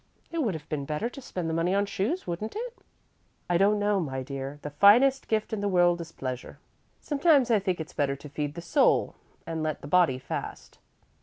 "It would have been better to spend the money on shoes, wouldn't it?" "I don't know, my dear. The finest gift in the world is pleasure. Sometimes I think it's better to feed the soul and let the body fast.